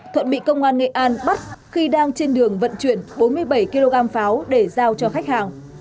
thuận bị công an nghệ an bắt khi đang trên đường vận chuyển bốn mươi bảy kg pháo để giao cho khách hàng